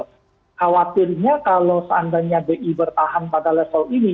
khawatirnya kalau seandainya bi bertahan pada level ini